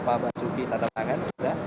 pak basuki tanda tangan juga